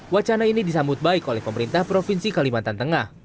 wacana ini disambut baik oleh pemerintah provinsi kalimantan tengah